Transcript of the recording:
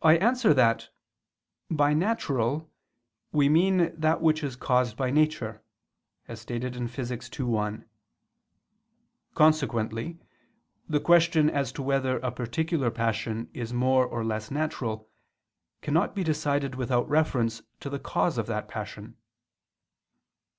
I answer that, By "natural" we mean that which is caused by nature, as stated in Phys. ii, 1. Consequently the question as to whether a particular passion is more or less natural cannot be decided without reference to the cause of that passion.